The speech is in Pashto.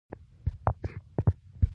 هغه خپل لاسي څراغ د تورې په څیر تاواوه